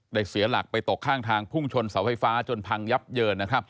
เสียหลักไปตกข้างทางพุ่งชนเสาไฟฟ้าจนพังยับเยินนะครับ